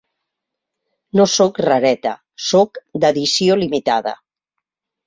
No soc rareta, soc d'edició limitada.